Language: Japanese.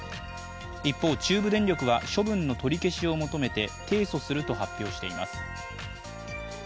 一方、中部電力は処分の取り消しを求めて提訴すると発表しています。